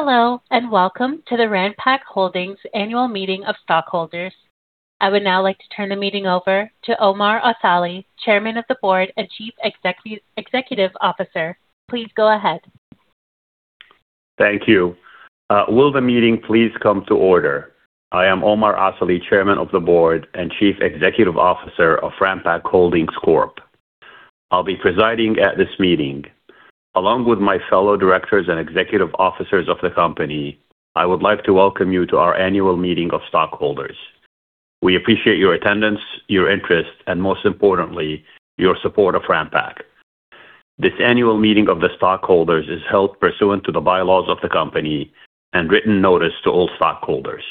Hello. Welcome to the Ranpak Holdings annual meeting of stockholders. I would now like to turn the meeting over to Omar Asali, Chairman of the Board and Chief Executive Officer. Please go ahead. Thank you. Will the meeting please come to order? I am Omar Asali, Chairman of the Board and Chief Executive Officer of Ranpak Holdings Corp. I'll be presiding at this meeting. Along with my fellow directors and executive officers of the company, I would like to welcome you to our annual meeting of stockholders. We appreciate your attendance, your interest, and most importantly, your support of Ranpak. This annual meeting of the stockholders is held pursuant to the bylaws of the company and written notice to all stockholders.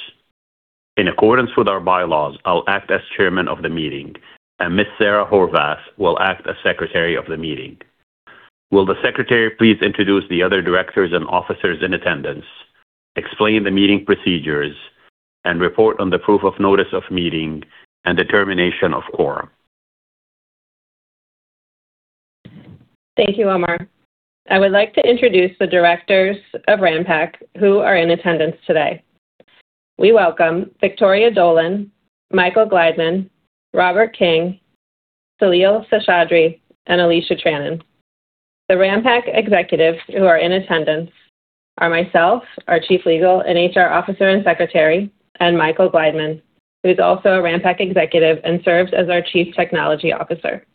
In accordance with our bylaws, I'll act as chairman of the meeting, and Ms. Sara Horvath will act as secretary of the meeting. Will the secretary please introduce the other directors and officers in attendance, explain the meeting procedures, and report on the proof of notice of meeting and determination of quorum? Thank you, Omar. I would like to introduce the directors of Ranpak who are in attendance today. We welcome Victoria Dolan, Michael Gliedman, Robert King, Salil Seshadri, and Alicia Tranen. The Ranpak executives who are in attendance are myself, our chief legal and HR officer and secretary, and Michael Gliedman, who's also a Ranpak executive and serves as our chief technology officer.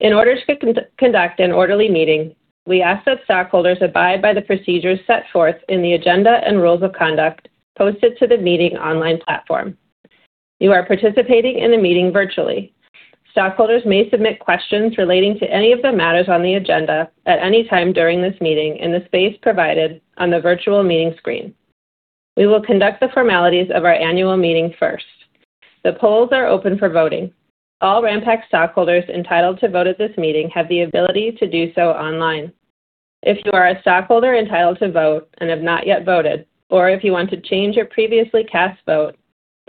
In order to conduct an orderly meeting, we ask that stockholders abide by the procedures set forth in the agenda and rules of conduct posted to the meeting online platform. You are participating in the meeting virtually. Stockholders may submit questions relating to any of the matters on the agenda at any time during this meeting in the space provided on the virtual meeting screen. We will conduct the formalities of our annual meeting first. The polls are open for voting. All Ranpak stockholders entitled to vote at this meeting have the ability to do so online. If you are a stockholder entitled to vote and have not yet voted, or if you want to change your previously cast vote,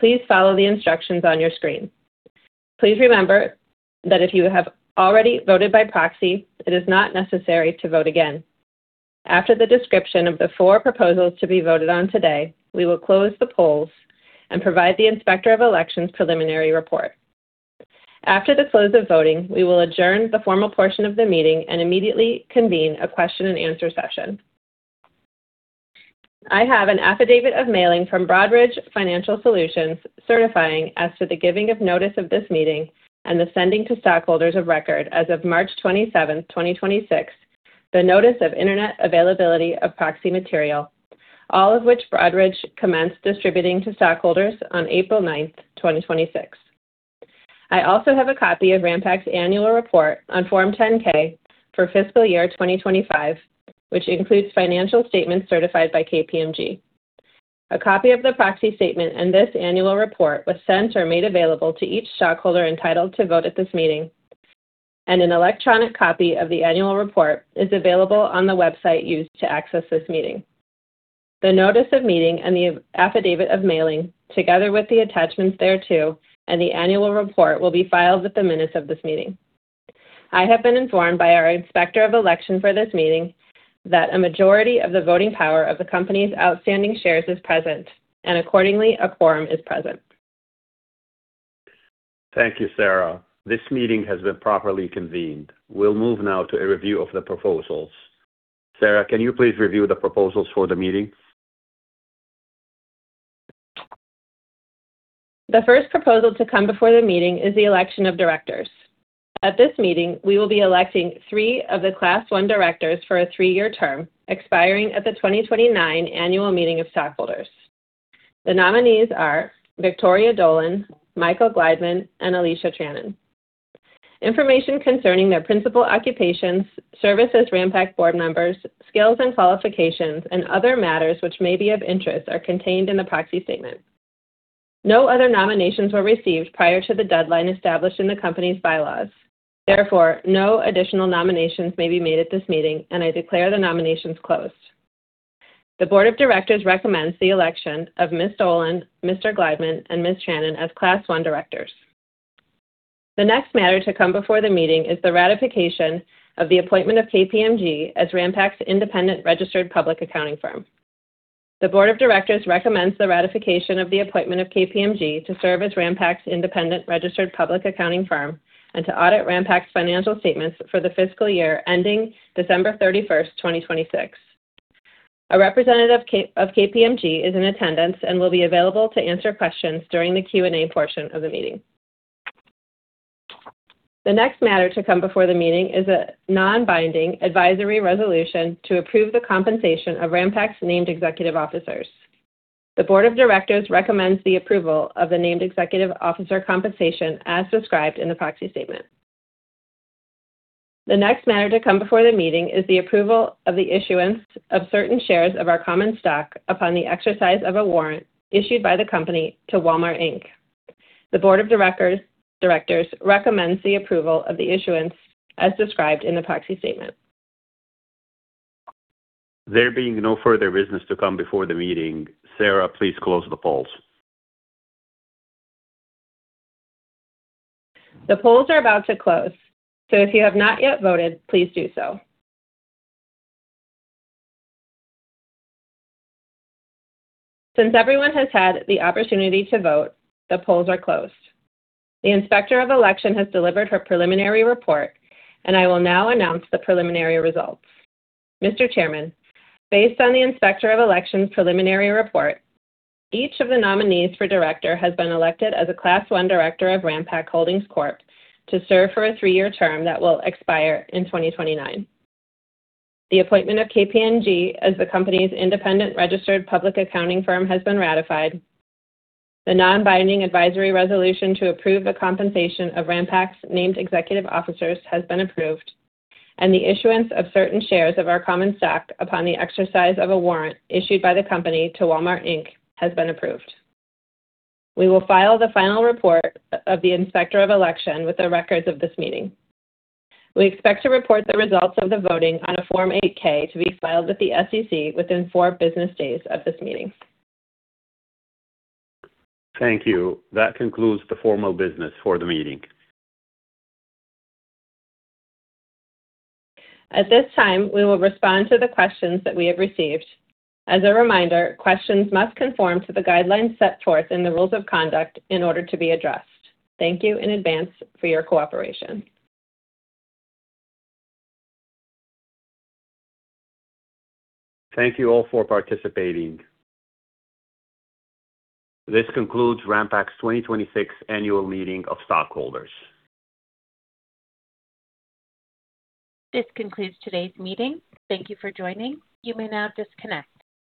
please follow the instructions on your screen. Please remember that if you have already voted by proxy, it is not necessary to vote again. After the description of the four proposals to be voted on today, we will close the polls and provide the Inspector of Elections' preliminary report. After the close of voting, we will adjourn the formal portion of the meeting and immediately convene a question and answer session. I have an affidavit of mailing from Broadridge Financial Solutions certifying as to the giving of notice of this meeting and the sending to stockholders of record as of March 27, 2026, the notice of Internet availability of proxy material, all of which Broadridge commenced distributing to stockholders on April 9, 2026. I also have a copy of Ranpak's annual report on Form 10-K for fiscal year 2025, which includes financial statements certified by KPMG. A copy of the proxy statement and this annual report was sent or made available to each stockholder entitled to vote at this meeting, and an electronic copy of the annual report is available on the website used to access this meeting. The notice of meeting and the affidavit of mailing, together with the attachments thereto and the annual report, will be filed with the minutes of this meeting. I have been informed by our Inspector of Election for this meeting that a majority of the voting power of the company's outstanding shares is present, and accordingly, a quorum is present. Thank you, Sara. This meeting has been properly convened. We'll move now to a review of the proposals. Sara, can you please review the proposals for the meeting? The first proposal to come before the meeting is the election of directors. At this meeting, we will be electing three of the Class I directors for a three-year term, expiring at the 2029 annual meeting of stockholders. The nominees are Victoria Dolan, Michael Gliedman, and Alicia Tranen. Information concerning their principal occupations, service as Ranpak board members, skills and qualifications, and other matters which may be of interest are contained in the proxy statement. No other nominations were received prior to the deadline established in the company's bylaws. No additional nominations may be made at this meeting, and I declare the nominations closed. The board of directors recommends the election of Ms. Dolan, Mr. Gliedman, and Ms. Tranen as Class I directors. The next matter to come before the meeting is the ratification of the appointment of KPMG as Ranpak's independent registered public accounting firm. The board of directors recommends the ratification of the appointment of KPMG to serve as Ranpak's independent registered public accounting firm and to audit Ranpak's financial statements for the fiscal year ending December 31st, 2026. A representative of KPMG is in attendance and will be available to answer questions during the Q&A portion of the meeting. The next matter to come before the meeting is a non-binding advisory resolution to approve the compensation of Ranpak's named executive officers. The board of directors recommends the approval of the named executive officer compensation as described in the proxy statement. The next matter to come before the meeting is the approval of the issuance of certain shares of our common stock upon the exercise of a warrant issued by the company to Walmart Inc. The board of directors recommends the approval of the issuance as described in the proxy statement. There being no further business to come before the meeting, Sara, please close the polls The polls are about to close, so if you have not yet voted, please do so. Since everyone has had the opportunity to vote, the polls are closed. The Inspector of Election has delivered her preliminary report, and I will now announce the preliminary results. Mr. Chairman, based on the Inspector of Election's preliminary report, each of the nominees for director has been elected as a Class I Director of Ranpak Holdings Corp to serve for a three-year term that will expire in 2029. The appointment of KPMG as the company's independent registered public accounting firm has been ratified. The non-binding advisory resolution to approve the compensation of Ranpak's named executive officers has been approved, and the issuance of certain shares of our common stock upon the exercise of a warrant issued by the company to Walmart Inc. has been approved. We will file the final report of the Inspector of Election with the records of this meeting. We expect to report the results of the voting on a Form 8-K to be filed with the SEC within four business days of this meeting. Thank you. That concludes the formal business for the meeting. At this time, we will respond to the questions that we have received. As a reminder, questions must conform to the guidelines set forth in the rules of conduct in order to be addressed. Thank you in advance for your cooperation. Thank you all for participating. This concludes Ranpak's 2026 annual meeting of stockholders. This concludes today's meeting. Thank you for joining. You may now disconnect.